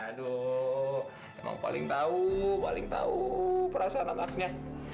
aduh emang paling tahu paling tahu perasaan anaknya